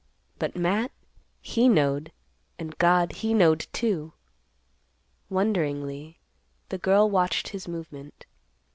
But Matt he knowed, and God he knowed too." Wonderingly, the girl watched his movement.